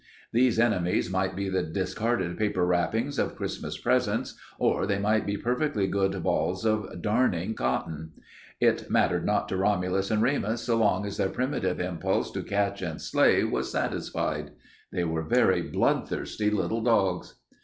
These enemies might be the discarded paper wrappings of Christmas presents, or they might be perfectly good balls of darning cotton. It mattered not to Romulus and Remus so long as their primitive impulse to catch and slay was satisfied. They were very bloodthirsty little dogs.